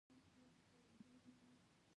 د ناخالصو مادو په اضافه کولو سره بدلون مومي.